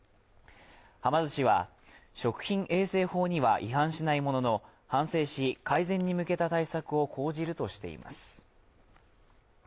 はま寿司は食品衛生法には違反しないものの反省し、改善に向けた対策を講じるとしています。